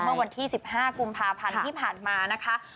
เมื่อวันที่๑๕กุมภาพันธ์ที่ผ่านมานะคะ